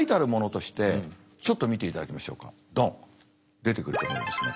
出てくると思うんですね。